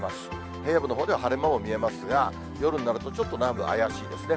平野部のほうでは晴れ間も見えますが、夜になると、ちょっと南部、怪しいですね。